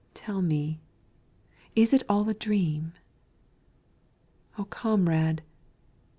tell me, is it all a dream; O Comrade!